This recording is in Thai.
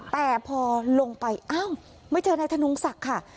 แต่พอลงไปไม่เจอในธนุงศักดิ์ค่ะ